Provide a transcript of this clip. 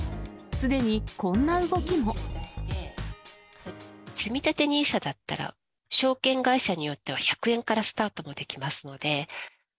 つみたてＮＩＳＡだったら、証券会社によっては１００円からスタートもできますので。